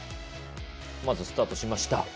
まずスタートしました。